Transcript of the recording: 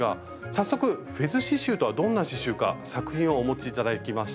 早速フェズ刺しゅうとはどんな刺しゅうか作品をお持ち頂きました。